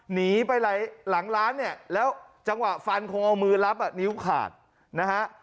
หนีไปหลังร้านเนี่ยแล้วจังหวะฟันคงเอามือรับอ่ะนิ้วขาดนะฮะ